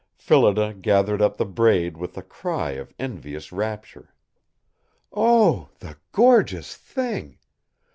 Phillida gathered up the braid with a cry of envious rapture. "Oh! The gorgeous thing!